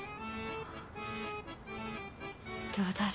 どうだろ。